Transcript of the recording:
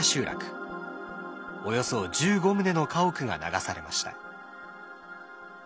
およそ１５棟の家屋が流されました。